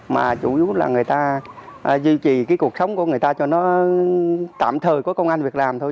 mà chủ yếu là người ta duy trì cái cuộc sống của người ta cho nó tạm thời có công an việc làm thôi